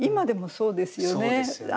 そうですよね。